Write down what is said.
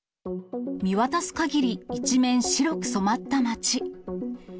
見渡すかぎり一面、白く染まった街。